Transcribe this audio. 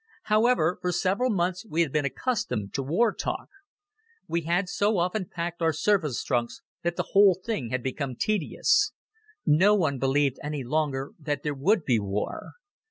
However, for several months we had been accustomed to war talk. We had so often packed our service trunks that the whole thing had become tedious. No one believed any longer that there would be war.